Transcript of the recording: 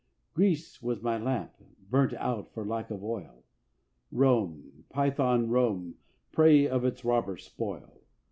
Greece was my lamp: burnt out for lack of oil; Rome, Python Rome, prey of its robber spoil!